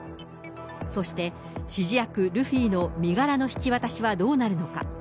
そして、指示役、ルフィの身柄の引き渡しはどうなるのか。